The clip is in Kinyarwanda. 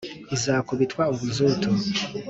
izakubitwa ubuzutu !